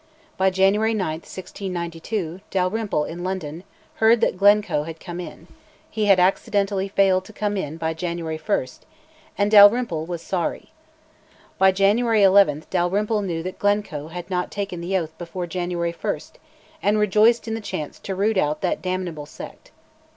By January 9, 1692, Dalrymple, in London, heard that Glencoe had come in (he had accidentally failed to come in by January 1), and Dalrymple was "sorry." By January 11 Dalrymple knew that Glencoe had not taken the oath before January 1, and rejoiced in the chance to "root out that damnable sect."